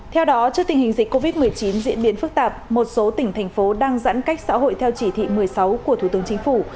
theo đó trước tình hình dịch covid một mươi chín diễn biến phức tạp một số tỉnh thành phố đang giãn cách xã hội theo chỉ thị một mươi sáu của thủ tướng chính phủ